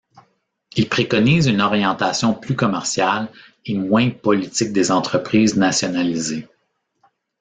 Il préconise une orientation plus commerciale et moins politique des entreprises nationalisées.